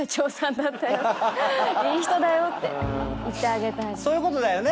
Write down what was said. いい人だよって言ってあげたいです。